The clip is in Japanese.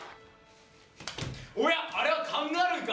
おやあれはカンガルーか？